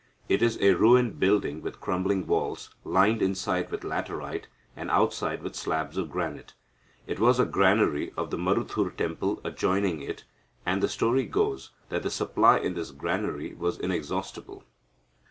It is a ruined building with crumbling walls, lined inside with laterite, and outside with slabs of granite. It was the granary of the Maruthur temple adjoining it, and, the story goes that the supply in this granary was inexhaustible.